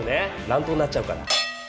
乱闘になっちゃうから。